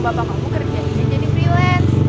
bapak kamu kerja kerja jadi freelance